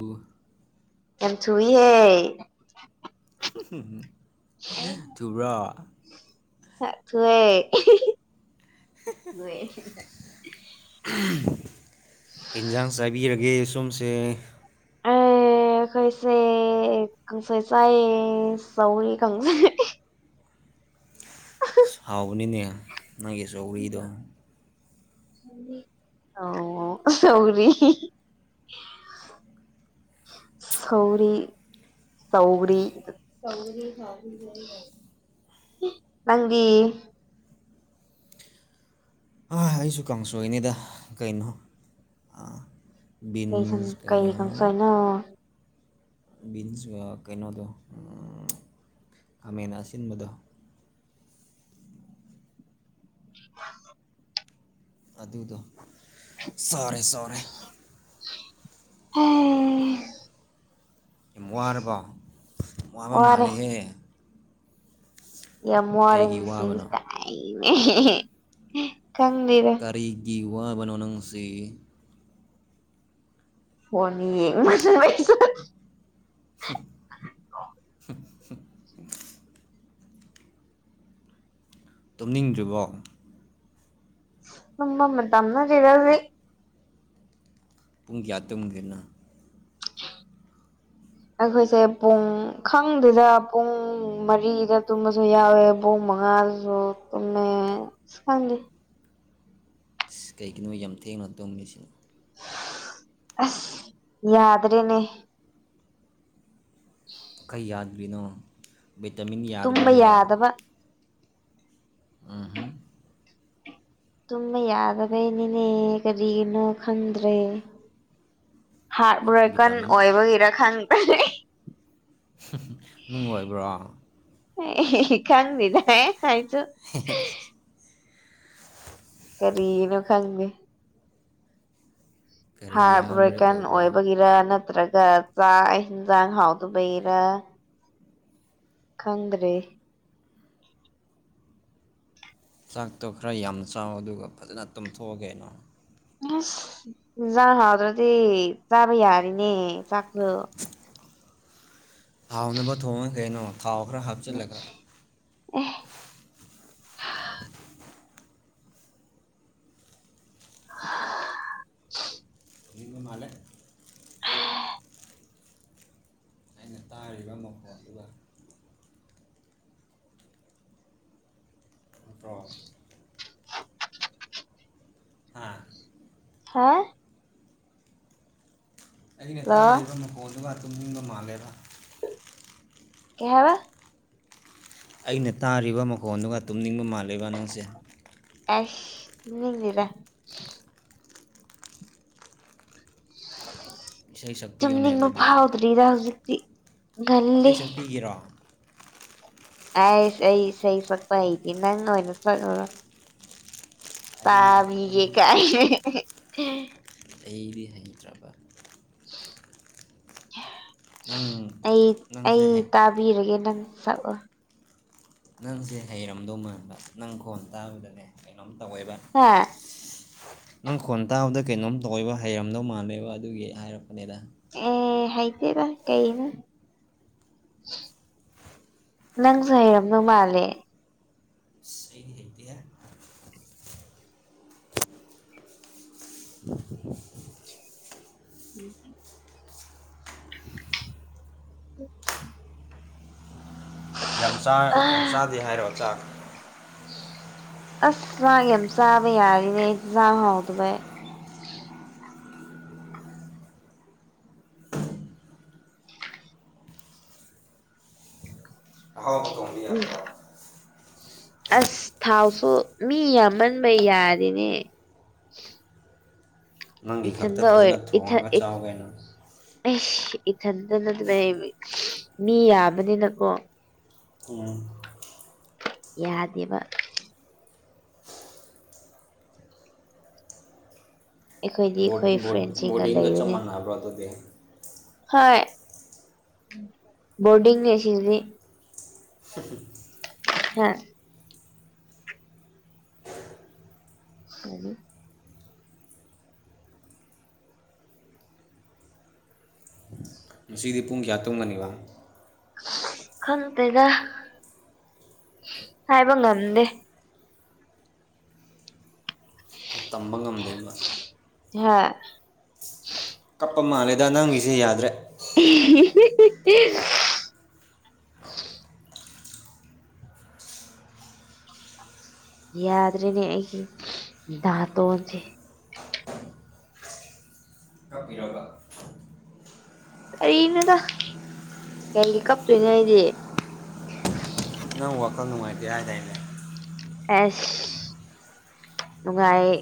ꯕꯨ ꯌꯥꯝ ꯊꯨꯏ ꯍꯦ ꯇꯨꯔ꯭ꯔꯥ ꯊꯋꯦ ꯊꯋ ꯏꯟꯁꯥꯡ ꯆꯥꯏꯕꯤꯔꯒꯦ ꯁꯣꯨꯝꯁꯦ ꯀꯩꯁꯦ ꯀꯪꯁꯣꯏ ꯆꯥꯏ ꯆꯧꯔꯤ ꯈꯪꯁꯦ ꯁꯥꯎꯕꯅꯤꯅꯦ ꯅꯪꯒꯤ ꯆꯧꯔꯤꯗꯣ ꯑꯣ ꯁꯧꯔꯤ ꯁꯧꯔꯤ ꯁꯧꯔꯤ ꯅꯪ ꯑ ꯑꯩꯁꯨ ꯀꯥꯡꯁꯣꯏꯅꯤꯗ ꯀꯩꯅꯣ ꯑꯥ ꯀꯩ ꯁꯪ ꯕꯤꯤꯟꯁꯀ ꯀꯩ ꯀꯥꯡꯁꯣꯏꯅꯣ ꯕꯤꯟꯁ ꯀꯩꯅꯣꯗꯣ ꯈꯥꯃꯦꯟ ꯑꯁꯤꯟꯕꯗꯣ [inaudible] [inaudible] ꯑꯗꯨꯗꯣ ꯁꯥꯎꯔꯦ ꯁꯔꯦ ꯍꯝ ꯌꯥꯝ ꯋꯥꯔꯕ ꯋꯥꯕ ꯋꯥꯔꯦ ꯃꯥꯜꯂꯤꯦꯍꯦ ꯌꯥꯝ ꯋꯥꯔꯁꯤ ꯋꯥꯕꯅꯣ ꯇꯥꯏꯅꯦ ꯈꯪꯕꯤꯔ ꯀꯔꯤꯒꯤ ꯋꯥꯕꯅꯣ ꯅꯪꯁꯤ ꯍꯅꯤ ꯎꯝ ꯇꯨꯝꯅꯤꯡꯗ꯭ꯔꯤꯕꯣ ꯎꯝꯕ ꯇꯝꯗꯤꯦꯗꯦ ꯄꯨꯡ ꯀꯌꯥ ꯇꯨꯡꯒꯦ ꯅꯪ [inaudible] ꯑꯩꯈꯣꯏꯁꯦ ꯄꯨꯡ ꯈꯪꯗꯦꯗ ꯄꯨꯡ ꯃꯔꯤꯗ ꯇꯨꯝꯕꯁꯨ ꯌꯥꯎꯋꯦ ꯄꯨꯡ ꯃꯉꯥꯗ ꯌꯣ ꯇꯨꯝꯃꯦ ꯑꯀ ꯈꯪꯗꯦ ꯑꯁ ꯀꯩꯒꯤꯅꯣ ꯌꯥꯝ ꯊꯦꯡꯅ ꯇꯨꯝꯂꯤꯁꯤꯅ ꯑꯁ ꯌꯥꯗ꯭ꯔꯦꯅꯦ ꯀꯩ ꯌꯥꯗ꯭ꯔꯤꯅꯣ ꯚꯤꯇꯥꯃꯤꯟ ꯇꯨꯝꯕ ꯌꯥꯗꯕꯒꯤꯔꯣ ꯌꯥꯗꯕ ꯑꯨꯝꯍꯨꯝ ꯇꯨꯝꯕ ꯌꯥꯗꯕꯩꯅꯤꯅꯦ ꯀꯔꯤꯒꯤꯅꯣ ꯈꯪꯗ꯭ꯔꯦ ꯍꯥꯔꯠ ꯕ꯭ꯔꯣꯀꯟ ꯚꯤꯇꯥꯃꯤꯟ ꯑꯣꯏꯕꯒꯤꯔ ꯈꯪꯗ꯭ꯔꯦ ꯅꯨꯡ ꯑꯣꯏꯕ꯭ꯔꯣ ꯀꯪꯗꯦꯗ ꯑꯩꯁꯨ ꯍꯦ ꯍꯦ ꯀꯔꯤꯒꯤꯅꯣ ꯈꯪꯉꯦ ꯀꯔꯤꯒꯤ ꯍ꯭ꯔꯥꯠ ꯍꯥꯔꯠ ꯕ꯭ꯔꯦꯛ ꯕꯔꯣꯀꯟ ꯑꯣꯏꯕ꯭ꯔꯥ ꯑꯣꯏꯕꯒꯤꯔ ꯅꯠꯇ꯭ꯔꯒ ꯆꯥꯛ ꯌꯦꯟꯖꯥꯡ ꯍꯥꯎꯇꯕꯒꯤꯔ ꯈꯪꯗ꯭ꯔꯦ ꯆꯥꯛꯇꯣ ꯈꯔ ꯌꯥꯝ ꯆꯥꯎ ꯑꯗꯨꯒ ꯐꯖꯅ ꯇꯨꯝꯊꯣꯛꯑꯣꯒꯩꯅꯣ ꯑꯁ ꯍꯤꯟꯖꯥꯡ ꯍꯥꯎꯇ꯭ꯔꯗꯤ ꯆꯥꯕ ꯌꯥꯔꯣꯏꯅꯦ ꯆꯥꯛꯇꯣ ꯍꯥꯎꯅꯕ ꯊꯣꯡꯉꯣ ꯀꯩꯅꯣ ꯊꯥꯎ ꯈ꯭ꯔ ꯍꯥꯛ ꯎꯝ ꯑꯦ ꯍꯥ ꯍꯨꯝ ꯍꯥꯏꯖꯤꯟꯕ ꯃꯥꯟꯂꯦ ꯑꯩꯅ ꯇꯥꯔꯤꯕ ꯃꯈꯣꯟꯗꯨꯒ ꯅꯠꯇ꯭ꯔꯣ ꯍꯥꯥ ꯍꯥꯥ ꯑꯩꯅ ꯍꯜꯂꯣ ꯇꯥꯔꯤꯕ ꯃꯈꯣꯜꯗꯨꯒ ꯇꯨꯝꯅꯤꯡꯕ ꯃꯥꯜꯂꯦꯕ ꯀꯩꯍꯥꯏꯕ ꯑꯩꯅ ꯇꯥꯔꯤꯕ ꯃꯈꯣꯟꯗꯨꯒ ꯇꯨꯝꯅꯤꯡꯕ ꯃꯥꯜꯂꯦꯕ ꯅꯪꯁꯦ ꯑꯁ ꯇꯨꯝꯅꯤꯡꯗꯦꯗꯥ ꯏꯁꯩ ꯁꯛꯄꯤꯌꯣꯅꯦ ꯇꯨꯝꯅꯤꯡꯕ ꯑꯗꯨꯗꯤ ꯐꯥꯎꯗ꯭ꯔꯤꯗ ꯍꯧꯖꯤꯛꯇꯤ ꯉꯜꯂꯤ ꯏꯁꯩ ꯁꯛꯄꯤꯒꯦꯔꯣ ꯑꯥꯁ ꯑꯩ ꯏꯁꯩ ꯁꯛꯄ ꯍꯩꯇꯦ ꯅꯪ ꯑꯣꯏꯅ ꯁꯛꯂꯛꯑꯣ ꯑꯩ ꯇꯥꯕꯤꯒꯦ ꯑꯩꯗꯤ ꯀꯥꯏꯅ ꯑꯩꯗꯤ ꯍꯩꯇ꯭ꯔꯕ ꯅꯪ ꯑꯩ ꯅꯪꯁꯦ ꯑꯩ ꯍꯩ ꯇꯥꯛ ꯕꯤꯔꯒꯦ ꯅꯪ ꯁꯛꯑꯣ ꯅꯪꯁꯦ ꯍꯩꯔꯝꯗꯧ ꯃꯥꯟꯕ ꯅꯪ ꯈꯣꯟ ꯇꯥꯕꯗꯅꯦ ꯀꯩꯅꯣꯝ ꯇꯧꯋꯦꯕ ꯍꯥ ꯅꯪ ꯈꯣꯟ ꯇꯥꯕꯗ ꯀꯩꯅꯣꯝ ꯇꯧꯋꯦꯕ ꯍꯩꯔꯝꯗꯧ ꯃꯥꯜꯂꯦꯕ ꯑꯗꯨꯒꯤ ꯍꯥꯏꯔꯛꯄꯅꯦꯗ ꯑꯦ ꯍꯩꯇꯦꯗ ꯀꯩꯅꯣ ꯅꯪꯁꯨ ꯍꯩꯔꯝꯗꯧ ꯃꯥꯜꯂꯦ ꯏꯁ ꯑꯩꯗꯤ ꯍꯩꯇꯦꯌꯦ [inaudible] [unintelligible] ꯌꯥꯝ ꯆꯥ ꯌꯥꯝ ꯆꯥꯗꯦ ꯍꯥꯏꯔꯣ ꯆꯥꯛ ꯑꯁ ꯆꯥꯛ ꯌꯥꯝ ꯆꯥꯕ ꯌꯥꯗ꯭ꯔꯦꯅꯦ ꯌꯦꯟꯖꯥꯡ ꯍꯥꯎꯇ ꯕꯩ ꯑꯍꯥꯎꯕ ꯊꯣꯡꯕ ꯎꯝ ꯌꯥꯗ꯭ꯔꯣ ꯑꯁ ꯊꯥꯎꯁꯨ ꯃꯤ ꯌꯥꯝꯃꯟꯕꯩ ꯌꯥꯔꯤꯅꯦ ꯅꯪꯒꯤ ꯈꯛꯇ ꯏꯊꯟꯗ ꯑꯣꯏ ꯐꯖꯅ ꯏꯊ ꯊꯣꯡꯉꯒ ꯏ ꯆꯥꯎ ꯀꯩꯅꯣ ꯑꯩꯁ ꯏꯊꯟꯇꯅ ꯂꯩꯕꯩ ꯃꯤ ꯌꯥꯝꯕꯅꯤꯅꯀꯣ ꯎꯝ ꯌꯥꯗꯦꯕ ꯑꯩꯈꯣꯏꯗꯤ ꯕꫭꯠ ꯑꯩꯈꯣꯏ ꯕꫭꯠ ꯐ꯭ꯔꯦꯟꯁꯤꯡꯒ ꯕꯣꯔꯗꯤꯡꯒ ꯆꯞ ꯂꯩꯕꯅꯦ ꯃꯥꯟꯅꯕ꯭ꯔꯣ ꯑꯗꯨꯗꯤ ꯍꯣꯏ ꯕꯣꯔꯗꯤꯡꯅꯤ ꯑꯁꯤꯗꯤ [inaudible] ꯍꯥ [unintelligible] ꯉꯥꯁꯤꯗꯤ ꯄꯨꯡ ꯀꯌꯥ ꯇꯨꯝꯒꯅꯤꯕ ꯈꯪꯇꯦꯗ ꯍꯥꯏꯕ ꯉꯝꯗꯦ ꯇꯝꯕ ꯉꯝꯗꯦꯕ ꯍꯥꯏ ꯀꯞꯄ ꯃꯥꯜꯂꯦꯗ ꯅꯪꯒꯤꯁꯤ ꯌꯥꯗ꯭ꯔꯦ [unintelligible] [unintelligible] ꯌꯥꯗꯔꯦꯅꯦ ꯑꯩꯒꯤ ꯗꯥꯇꯣꯟꯁꯦ ꯀꯞꯄꯤꯔꫭꯕ ꯀꯩꯅꫭꯗ ꯀꯩꯒꯤ ꯀꯞꯇꯣꯏꯅꫭ ꯑꯩꯗꯤ ꯅꯪ ꯋꯥꯈꯜ ꯅꯨꯡꯉꯥꯏꯇꯦ ꯍꯥꯏꯗꯥꯏꯅꯦ ꯑꯦꯁ ꯅꯨꯉꯥꯏ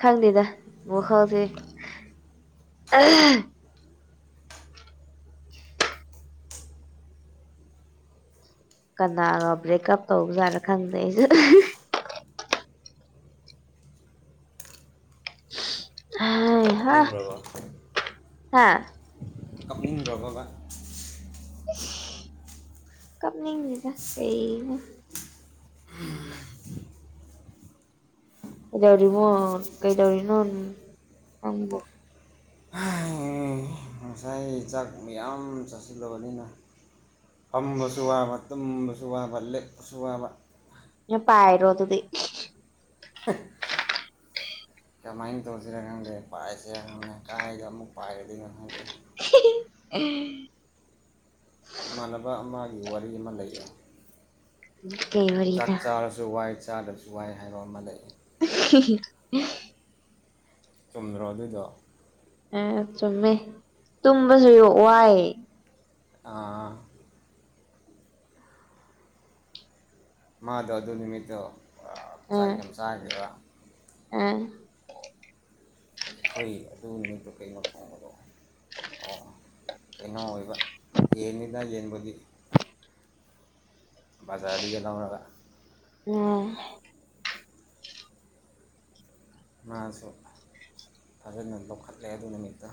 ꯈꯪꯗꯦꯗ ꯋꯈꯥꯜꯁꯦ ꯑꯥ ꯀꯅꯥꯅꯣ ꯕ꯭ꯔꯦꯛꯀꯞ ꯇꯧꯕꯖꯥꯠꯅꯣ ꯈꯪꯗꯦ ꯑꯩꯁꯨ ꯍꯩꯍꯥ ꯀꯞꯅꯤꯡꯕ꯭ꯔꯕ ꯍꯥ ꯏꯪꯕꯔꯕꯕꯥ ꯏꯁ ꯀꯞꯅꯤꯡꯅꯤꯗ ꯀꯩꯅꯣ ꯀꯩꯗꯧꯔꯤꯃꯣ ꯀꯩꯗꯧꯔꯤꯅꯣ ꯅꯪꯕꯨ ꯑꯩꯏ ꯉꯥꯁꯥꯏ ꯑꯩ ꯆꯥꯛ ꯃꯌꯥꯝ ꯆꯥꯁꯤꯜꯂꯕꯅꯤꯅ ꯐꯝꯕꯁꯨ ꯋꯥꯕꯥ ꯇꯨꯝꯕꯁ ꯁꯨ ꯋꯥꯕꯥ ꯂꯦꯛꯁꯨ ꯋꯥꯕꯥ ꯌꯦ ꯄꯥꯏꯔꯣ ꯑꯗꯨꯗꯤ ꯀꯃꯥꯏꯅ ꯇꯧꯁꯤꯔꯥ ꯈꯪꯗꯦ ꯄꯥꯏꯁꯤꯔꯥ ꯈꯪꯗꯦ ꯀꯥꯏꯗ ꯑꯃꯨꯛ ꯄꯥꯏꯔꯗꯣꯏꯅꯣ ꯈꯪꯗꯦ ꯍꯤ ꯍꯤ ꯏꯃꯥꯟꯅꯕ ꯑꯃꯒꯤ ꯋꯥꯔꯤ ꯑꯃ ꯂꯩꯌꯦ ꯀꯩ ꯆꯥꯛ ꯋꯥꯔꯤꯅꯣ ꯆꯥꯔꯁꯨ ꯁꯨ ꯋꯥꯏ ꯆꯥꯗꯕꯁꯨ ꯋꯥꯏ ꯍꯥꯏꯕ ꯑꯃ ꯂꯩ [inaudible] ꯆꯨꯝꯗ꯭ꯔꯣ ꯑꯗꯨꯗꯣ ꯑꯦ ꯆꯨꯝꯃꯦ ꯇꯨꯝꯕꯁꯨ ꯍꯦꯛ ꯋꯥꯏ ꯑꯥ ꯃꯥꯗꯣ ꯑꯗꯨ ꯅꯨꯃꯤꯠꯇꯣ ꯆꯥꯛ ꯌꯥꯝ ꯆꯥꯈꯤꯕ ꯎꯝ ꯑꯩꯈꯣꯏ ꯑꯗꯨ ꯅꯨꯃꯤꯠꯇꯨ ꯀꯩꯅꯣ ꯐꯣꯡꯕꯗꯣ ꯑꯣ ꯀꯩꯅꯣ ꯑꯣꯏꯕ ꯌꯦꯡꯃꯤꯗ ꯌꯦꯡꯕꯒꯤꯗꯤ ꯕꯥꯖꯥꯔꯗꯒꯤ ꯂꯧꯔ꯭ꯒ ꯎꯝ ꯃꯥꯁꯨ ꯐꯖꯅ ꯂꯧꯈꯠꯂꯦ ꯑꯗꯨ ꯅꯨꯃꯤꯠꯇꯣ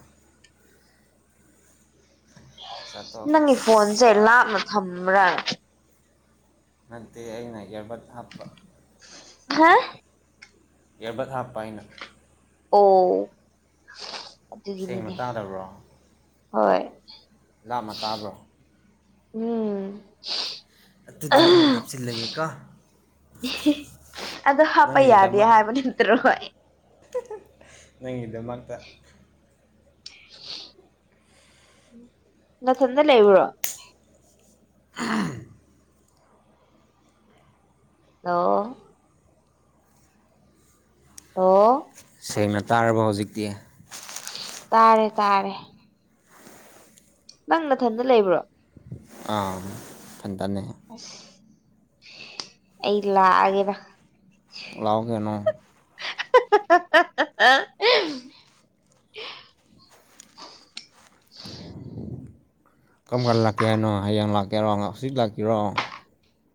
ꯆꯥꯊꯣꯛꯑꯒ ꯅꯪꯒꯤ ꯐꯣꯟꯁꯦ ꯑꯁ ꯂꯥꯞꯅ ꯊꯝꯕ꯭ꯔꯥ ꯅꯠꯇꯦ ꯑꯩꯅ ꯏꯌꯔꯕꯠ ꯍꯥꯞꯄ ꯍꯥ ꯏꯔꯔꯕꯠ ꯍꯥꯞꯄ ꯑꯩꯅ [unintelligible] ꯑꯣ ꯁꯦꯡꯅ ꯑꯗꯨꯒꯤꯅꯤꯅꯦ ꯇꯥꯗꯕ꯭ꯔꯣ ꯍꯣꯏ ꯂꯥꯞꯅ ꯇꯥꯕ꯭ꯔꯣ꯫ ꯎꯝ꯫ ꯑꯗꯨꯗꯤ ꯑꯃꯨꯛ ꯍꯥꯞꯆꯤꯜꯂꯒꯦ ꯀꯣ꯫ ꯑꯗꯣ ꯍꯥꯞꯄ ꯌꯥꯗꯦ ꯍꯥꯏꯕ ꯅꯠꯇ꯭ꯔꯣ꯫ ꯅꯪꯒꯤ ꯗꯃꯥꯥꯛꯇ ꯎ [unintelligible] ꯅꯊꯟꯗ ꯂꯩꯕ꯭ꯔꯣ꯫ ꯑꯝ ꯍꯂꯣ ꯑꯣ ꯁꯦꯡꯅ ꯇꯥꯔꯕ ꯍꯧꯖꯤꯛꯇꯤ꯫ ꯇꯥꯔꯦ ꯇꯥꯔꯦ꯫ ꯅꯪ ꯅꯊꯟꯗ ꯂꯩꯕ꯭ꯔꯣ꯫ ꯑ ꯐꯟꯇꯅꯦ ꯑꯁ ꯑꯩ ꯂꯥꯛꯒꯦꯗ꯫ ꯂꯥꯎꯒꯅꯣ꯫ ꯍꯥꯍꯥꯍꯥ ꯀꯔꯝ ꯀꯥꯟ ꯂꯥꯛꯀꯦ ꯍꯥꯏꯅꯣ ꯍꯌꯦꯡ ꯂꯥꯛꯀꯦꯔꯣ ꯍꯧꯖꯤꯛ ꯂꯥꯛꯀꯔꯣ꯫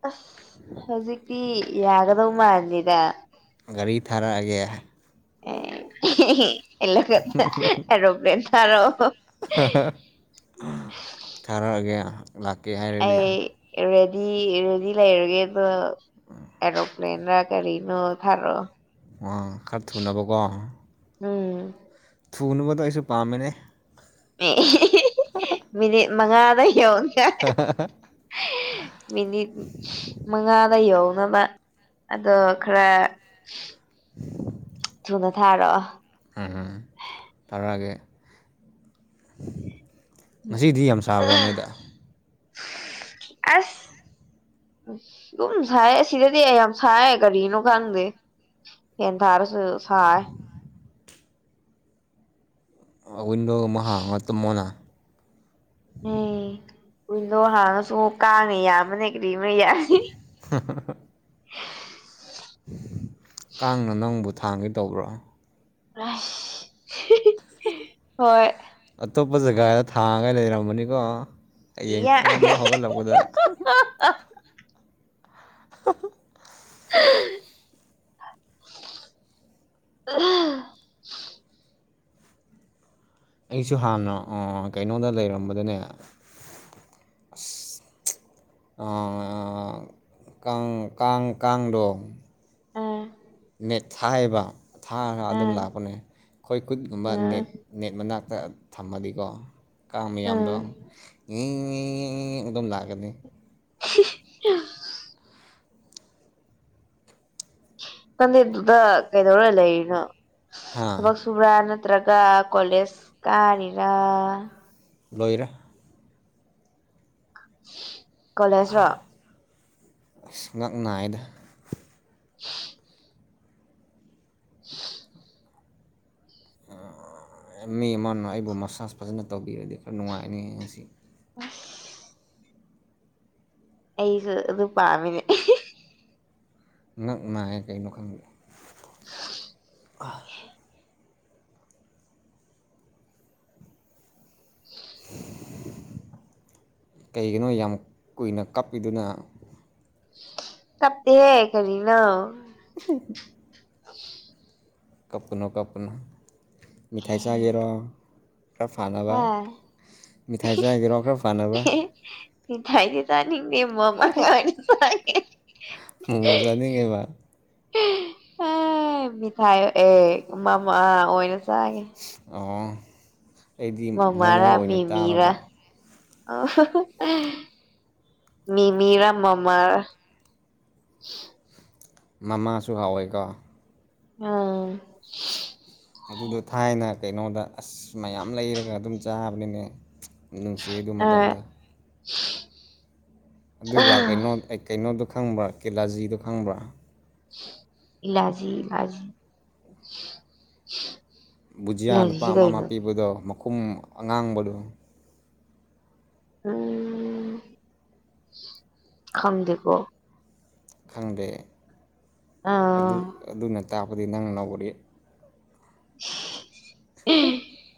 ꯑꯁ ꯍꯧꯖꯤꯛꯇꯤ ꯌꯥꯒꯗꯧ ꯃꯥꯜꯗꯦꯗ꯫ ꯒꯥꯔꯤ ꯊꯥꯔꯛꯑꯒꯦ꯫ ꯏꯂ ꯑꯦꯔꯄ꯭ꯂꯦꯟ ꯊꯥꯔ ꯑꯣ꯫ ꯊꯥꯔꯛꯑꯒꯦ꯫ ꯂꯥꯛꯀꯦ ꯍꯥꯏ ꯑꯩ ꯔꯦꯗꯤ ꯔꯦꯗꯤ ꯂꯩꯔꯒꯦ ꯑꯗꯨ ꯑꯦꯔꯣꯄ꯭ꯂꯦꯟ ꯔꯥ ꯀꯔꯤꯅꯣ ꯊꯥꯔꯛꯑꯣ ꯑꯣ ꯈꯥꯔ ꯊꯨꯅꯕꯒꯣ ꯀꯣ꯫ ꯎꯝ꯫ ꯊꯨꯅꯕꯗꯣ ꯑꯩꯁꯨ ꯄꯥꯝꯕꯅꯦ꯫ ꯃꯤꯅꯤꯠ ꯃꯉꯥꯗ ꯌꯧꯒꯦ꯫ ꯃꯤꯅꯤꯠ ꯃꯉꯥꯗ ꯌꯧꯅꯕ ꯑꯗꯣ ꯈꯔ ꯅꯊꯥꯔꯛꯑꯣ ꯎꯝ ꯇꯔꯒꯦ꯫ ꯑ ꯑꯁ꯫ ꯑꯗꯨꯝ ꯁꯥꯏꯌꯦ ꯁꯤꯗꯗꯤ ꯑꯩ ꯌꯥꯝ ꯁꯥꯏꯌꯦ ꯀꯔꯤꯅꯣ ꯈꯪꯗꯦ꯫ ꯐꯦꯟ ꯊꯥꯔꯁꯨ ꯁꯥꯏ꯫ ꯑꯥ ꯋꯤꯟꯗꯣꯒꯨꯝꯕ ꯍꯥꯡꯉꯥ ꯇꯨꯝ ꯃꯣꯅ꯫ ꯋꯤꯟꯗꯣ ꯍꯥꯡꯉꯁꯨ ꯀꯥꯡꯅ ꯌꯥꯝꯕꯅꯦ ꯀ꯭ꯔꯤꯃ ꯌꯥ [unintelligible] ꯀꯥꯡꯅ ꯅꯪꯕꯨ ꯊꯥꯡꯒꯦ ꯇꯧꯕ꯭ꯔꯣ꯫ ꯍꯣꯏ꯫ ꯑꯇꯣꯞꯄ ꯖꯒꯥꯗ ꯊꯥꯡꯉꯥꯒ ꯂꯩꯔꯝꯃꯅꯤꯀꯣ ꯍꯌꯦꯡ ꯏꯌꯥ ꯑꯃꯨꯛ ꯍꯧꯒꯠꯂꯛꯄꯗ꯫ [unintelligible] [unintelligible] ꯑꯩꯁꯨ ꯍꯥꯟꯅ ꯀꯩꯅꯣꯗ ꯂꯩꯔꯝꯕꯗꯅꯦ ꯑꯁ ꯑꯥ ꯀꯥꯡ ꯀꯥꯡ ꯀꯥꯡꯗꯣ ꯎꯝ ꯅꯦꯠ ꯊꯥꯏꯕ ꯊꯥꯒ ꯑꯗꯨꯝ ꯎꯝ ꯂꯥꯛꯄꯅꯦ ꯑꯩꯈꯣꯏ ꯀꯨꯠꯀꯨꯝꯕ ꯅꯦꯠ ꯎꯝ ꯅꯦꯠ ꯃꯅꯥꯛꯇ ꯊꯝꯃꯗꯤꯀꯣ ꯀꯥꯡ ꯎꯝ ꯃꯌꯥꯝꯗꯣ꯫ ꯑꯗꯨꯝ ꯂꯥꯛꯀꯅꯤ꫰꫰ [unintelligible] ꯅꯪꯗꯤ ꯑꯥꯗꯨꯗ ꯀꯩꯗꯧꯔ ꯂꯩꯔꯤꯅꯣ ꯍꯥ ꯊꯕꯛ ꯁꯨꯕꯔꯥ ꯅꯠꯇ꯭ꯔꯒ ꯀꯣꯂꯦꯖ ꯀꯥꯔꯤꯔꯥ꯫ ꯂꯣꯏꯔꯦ꯫ ꯀꯂꯦꯖ ꯔꯣ꯫ ꯑꯁ ꯉꯛ ꯅꯥꯏꯌꯦꯗ꯫ [unintelligible] [unintelligible] ꯃꯤ ꯑꯃꯅ ꯑꯩꯕꯨ ꯃꯁꯥꯁ ꯐꯖꯅ ꯇꯧꯕꯤꯔꯗꯤ ꯈꯔ ꯅꯨꯡꯉꯥꯏꯅꯤ ꯉꯥꯁꯤ꯫ [unintelligible] ꯑꯩꯁꯨ ꯑꯗꯨ ꯄꯥꯃꯤꯅꯦ꯫ ꯉꯛ ꯅꯥꯏꯌꯦ ꯀꯩꯅꯣ ꯈꯪꯗꯦ꯫ ꯎ [unintelligible] ꯀꯩꯒꯤꯅꯣ ꯌꯥꯝ ꯀꯨꯏꯅ ꯀꯥꯞꯄꯤꯗꯨꯅ꯫ ꯀꯞꯇꯦꯍꯦ ꯀꯔꯤꯅꯣ꯫ [unintelligible] ꯀꯞꯄꯨꯅꯣ ꯀꯞꯄꯨꯅꯣ ꯃꯤꯊꯥꯏ ꯆꯒꯦꯔꯣ꯫ ꯈꯔ ꯐꯥꯟꯅꯕ ꯑ ꯃꯤꯊꯥꯏ ꯆꯒꯦꯔꯣ ꯈꯔ ꯐꯥꯟꯅꯕ꯫ ꯃꯤꯊꯥꯏꯗꯤ ꯆꯅꯤꯡꯗꯦ ꯃꯃꯥ꯫ [unintelligible] ꯑꯦ ꯃꯣꯃꯣ ꯆꯥꯅꯤꯡꯉꯦꯕ ꯑꯥ ꯃꯤꯊꯥꯏ ꯑꯦ ꯃꯃꯥ ꯑꯣꯏꯅ ꯆꯥꯒꯦ ꯑꯣ ꯑꯩꯗꯤ ꯃꯣꯃꯣ ꯃꯃꯥꯔꯥ ꯑꯣꯏꯅ ꯃꯤꯃꯤꯔꯥ ꯇꯥꯔꯥꯕ [unintelligible] ꯃꯤ ꯃꯤꯔꯥ ꯃꯝꯃꯥꯔ ꯃꯃꯥꯁꯨ ꯍꯥꯎꯋꯦꯀꯣ ꯑꯪ ꯑꯗꯨꯗꯣ ꯊꯥꯏꯅ ꯀꯩꯅꯣꯗ ꯑꯁ ꯃꯌꯥꯝ ꯂꯩꯔꯒ ꯑꯗꯨꯝ ꯆꯥꯕꯅꯤꯅꯦ ꯅꯨꯡꯁꯤ ꯑꯗꯨ ꯑ ꯃꯇꯝꯗꯣ [unintelligible] ꯑꯗꯨꯒ ꯀꯩꯅꯣ ꯀꯩꯅꯣꯗꯣ ꯈꯪꯕ꯭ꯔ ꯀꯦꯂꯥꯖꯤꯗꯣ ꯈꯪꯕ꯭ꯔꯥ ꯏꯂꯥꯖꯤ ꯏꯂꯥꯖꯤ ꯕꯨꯖꯤꯌꯥ ꯅꯨꯄꯥ ꯑꯃ ꯑꯃ ꯄꯤꯕꯗꯣ ꯃꯈꯨꯝ ꯑꯉꯥꯡꯕꯗꯣ ꯈꯪ ꯈꯪꯗꯦꯀꯣ ꯈꯪꯗꯦ ꯑꯗꯨ ꯑꯥ ꯑꯗꯨꯅ ꯇꯥꯛꯄꯗꯤ ꯅꯪ ꯅꯧꯔꯤ [unintelligible] [unintelligible]